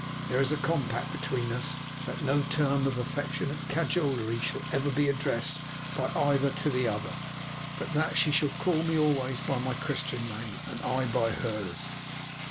There is a compact between us that no term of affectionate cajolery shall ever be addressed by either to the other, but that she shall call me always by my Christian name; I her, by hers.